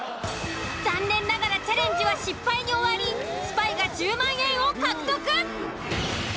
残念ながらチャレンジは失敗に終わりスパイが１０万円を獲得。